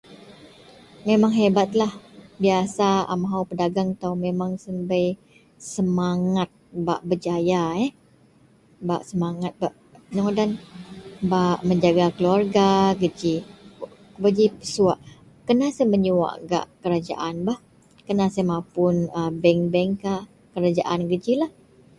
Memang hebatlah. Biyasa a mahou pedegeng itou memang siyen bei semangat bak bejaya eh. Bak semenget bak inou ngadan bak menjaga keluwerga geji. Beji pesuwak, kena siyen menyuwak gak kerajaan bah. Kena siyen mapun a bank-bank kah, kerajaan. Gejilah.